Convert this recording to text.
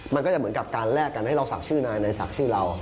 มันก็จะเหมือนกับการแลกกันให้เราศักดิ์ชื่อนายในศักดิ์ชื่อเรา